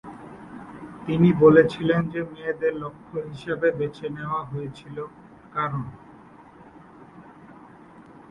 তিনি বলেছিলেন যে মেয়েদের লক্ষ্য হিসাবে বেছে নেওয়া হয়েছিল কারণ।